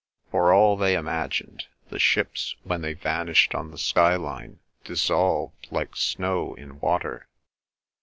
For all they imagined, the ships when they vanished on the sky line dissolved, like snow in water.